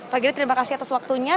pak giri terima kasih atas waktunya